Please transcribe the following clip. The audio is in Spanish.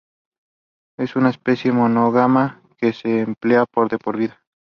Es una especie monógama, que se empareja de por vida.